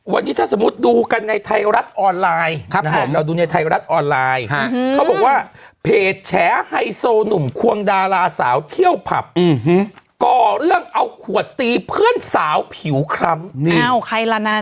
วันนี้ถ้าสมมุติดูกันในไทยรัฐออนไลน์เราดูในไทยรัฐออนไลน์เขาบอกว่าเพจแฉไฮโซหนุ่มควงดาราสาวเที่ยวผับก่อเรื่องเอาขวดตีเพื่อนสาวผิวคล้ำนี่อ้าวใครละนาน